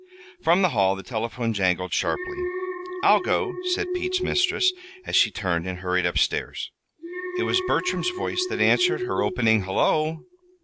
From the hall the telephone jangled sharply. "I'll go," said Pete's mistress, as she turned and hurried up stairs. It was Bertram's voice that answered her opening "Hullo."